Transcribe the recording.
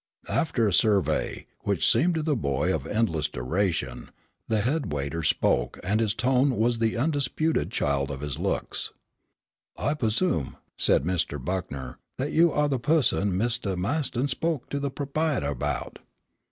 After a survey, which seemed to the boy of endless duration, the head waiter spoke, and his tone was the undisputed child of his looks. "I pussoom," said Mr. Buckner, "that you are the pusson Mistah Ma'ston spoke to the p'op'ietor about?"